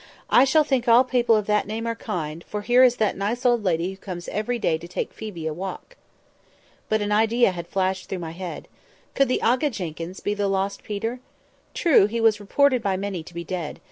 I shall think all people of that name are kind; for here is that nice old lady who comes every day to take Phoebe a walk!" But an idea had flashed through my head; could the Aga Jenkyns be the lost Peter? True he was reported by many to be dead.